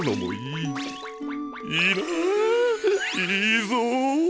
いいぞ。